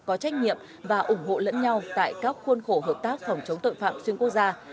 có trách nhiệm và ủng hộ lẫn nhau tại các khuôn khổ hợp tác phòng chống tội phạm xuyên quốc gia